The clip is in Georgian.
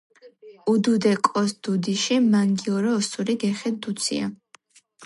უდუდე კოს დუდიში მანგიორო ოსური გეხე დუცია